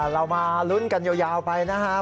เรามาลุ้นกันยาวไปนะครับ